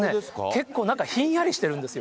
結構、中、ひんやりしてるんですよ。